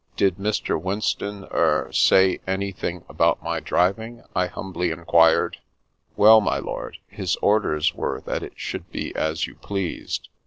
" Did Mr. Winston— er — say an3rthing about my driving?" I humbly inquired. " Well, my lord, his orders were that it should be as you pleased.